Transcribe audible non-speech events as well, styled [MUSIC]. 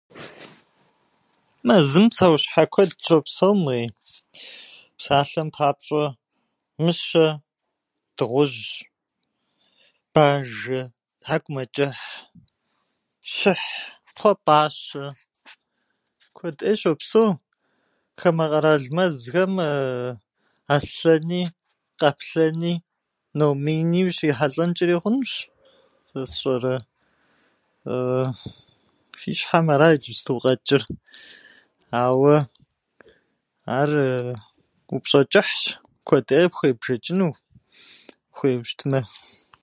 Мэзым псэущхьэ куэд щопсэум уеи. Псалъэм папщӏэ, мыщэ, дыгъужь, бажэ, тхьэкӏумэчӏыхь, щыхь, кхъуэпӏащэ, куэд ӏей щопсэу. Хамэ къэрал мэзхэм [HESITATION] аслъэни, къаплъэни, номини ущрихьэлӏэнчӏэри хъунущ. Сэ сщӏэрэ, [HESITATION] си щхьэм ара иджысту къэчӏыр, ауэ ар упщӏэ чӏыхьщ, куэд ӏей къыпхуебжэчӏыну ухуейуэ щытмэ.